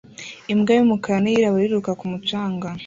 Imbwa y'umukara n'iyirabura iriruka ku mucanga